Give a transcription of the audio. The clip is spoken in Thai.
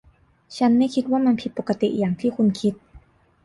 ฉันไม่คิดว่ามันผิดปกติอย่างที่คุณคิด